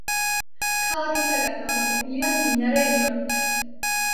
ქალაქისაგან გამოყოფილია მდინარე რიონით.